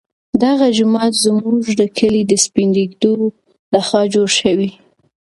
دغه جومات زموږ د کلي د سپین ږیرو لخوا جوړ شوی.